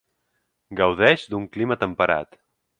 Gaudeix d'un clima temperat.